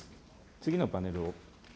次のパネルを。